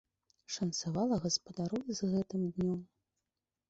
Шанцавала гаспадару і з гэтым днём.